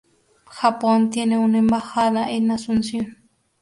Japón tiene una embajada en Asunción.